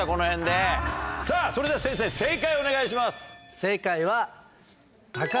さぁそれでは先生正解お願いします。